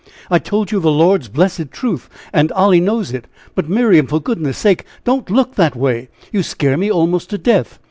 "I told you the Lord's blessed truth, and Oily knows it. But Miriam, for goodness sake don't look that way you scare me almost to death!